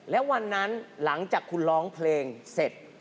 และวันนั้นหลังจากคุณร้องเพลงเสร็จ